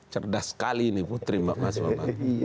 cerdas sekali ini putri mas bambang